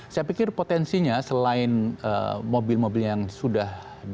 saya pikir potensinya selain mobil mobil yang sudah di produksi saat ini